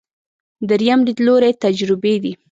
درېیم لیدلوری تجربي دی.